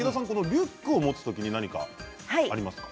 リュックを持つ時に何かありますか。